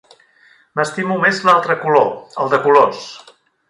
M'estimo més l'altre color, el de colors.